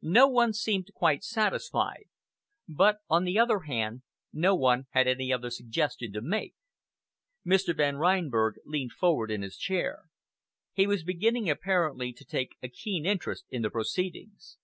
No one seemed quite satisfied; but, on the other hand, no one had any other suggestion to make. Mr. Van Reinberg leaned forward in his chair. He was beginning, apparently, to take a keen interest in the proceedings.